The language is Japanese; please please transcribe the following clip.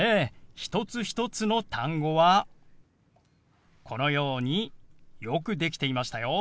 一つ一つの単語はこのようによくできていましたよ。